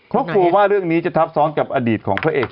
เพราะกลัวว่าเรื่องนี้จะทับซ้อนกับอดีตของพระเอก